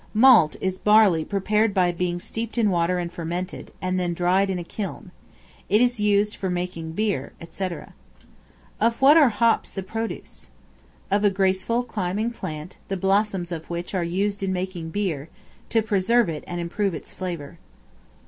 Malt is barley prepared by being steeped in water and fermented, and then dried in a kiln. It is used for making beer, &c. Of what are Hops the produce? Of a graceful climbing plant, the blossoms of which are used in making beer, to preserve it and improve its flavor.